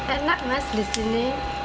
enak mas di sini